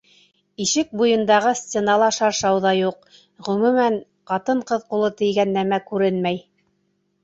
Ишек буйындағы стенала шаршау ҙа юҡ, ғөмүмән, ҡатын-ҡыҙ ҡулы тейгән нәмә күренмәй.